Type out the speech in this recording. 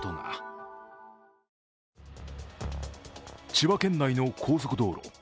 千葉県内の高速道路。